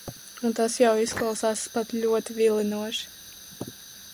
Un tas jau izklausās pat ļoti vilinoši.